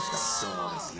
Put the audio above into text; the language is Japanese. そうですね。